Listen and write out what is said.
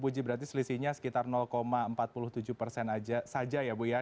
puji berarti selisihnya sekitar empat puluh tujuh persen saja ya bu ya